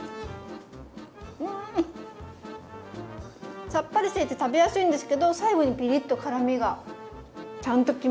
うん！さっぱりしていて食べやすいんですけど最後にピリッと辛みがちゃんときますね。